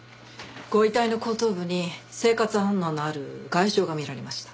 ご遺体の後頭部に生活反応のある外傷が見られました。